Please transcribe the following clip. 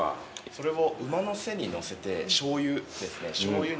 それを馬の背にのせてしょうゆですね。